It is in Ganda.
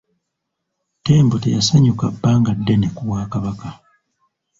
Ttembo teyasanyuka bbanga ddene ku bwakabaka.